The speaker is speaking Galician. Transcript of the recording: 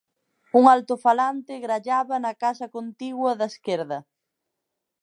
Un altofalante grallaba na casa contigua da esquerda.